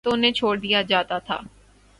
تو انہیں چھوڑ دیا جاتا تھا۔